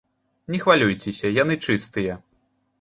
Не хвалюйцеся, яны чыстыя!